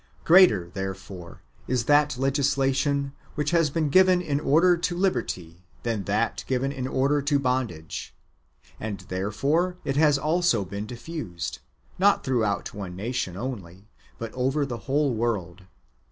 Greater, therefore, is that legislation which has been given in order to liberty than that given in order to bondage ; and therefore it has also been diffused, not throughout one nation [only], but over the whole world.